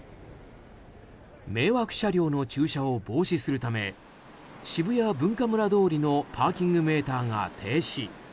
迷惑車両の駐車を防止するため渋谷文化村通りのパーキングメーターが停止。